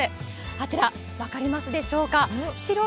あちら、分かりますでしょうか？